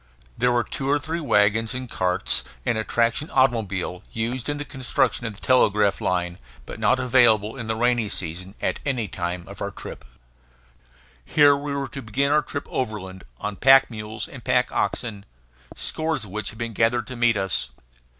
There were two or three wagons and carts, and a traction automobile, used in the construction of the telegraph line, but not available in the rainy season, at the time of our trip. Here we were to begin our trip overland, on pack mules and pack oxen, scores of which had been gathered to meet us.